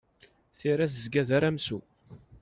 Tira tezga d aramsu.